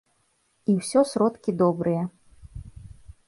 І ўсё сродкі добрыя.